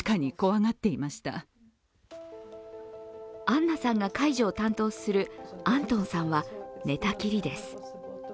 アンナさんが介助を担当するアントンさんは寝たきりです。